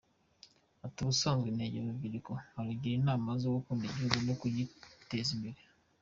Ati "Ubusanzwe negera urubyiruko nkarugira inama zo gukunda igihugu no kugiteza imbere.